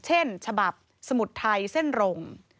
เช่นฉบับสมุดไทยเส้นรง